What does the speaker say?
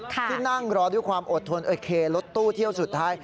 ที่นั่งรอด้วยความอดทนโอเครถตู้เที่ยวสุดท้าย